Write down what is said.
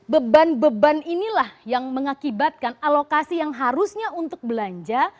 beban beban inilah yang mengakibatkan alokasi yang harusnya untuk belanja